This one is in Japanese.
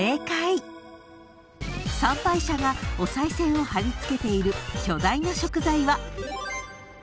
［参拝者がおさい銭を張り付けている巨大な食材は］